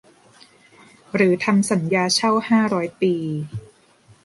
หรือทำสัญญาเช่าห้าร้อยปี